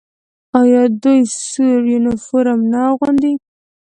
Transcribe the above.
آیا دوی سور یونیفورم نه اغوندي؟